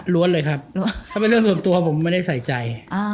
เลยครับล้วนถ้าเป็นเรื่องส่วนตัวผมไม่ได้ใส่ใจ